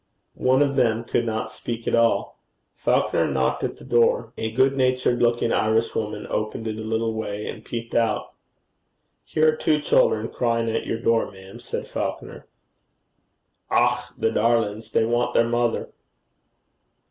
One of them could not speak at all. Falconer knocked at the door. A good natured looking Irishwoman opened it a little way and peeped out. 'Here are two children crying at your door, ma'am,' said Falconer. 'Och, the darlin's! they want their mother.'